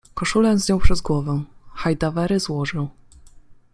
Koszulę zdjął przez głowę, hajdawery złożył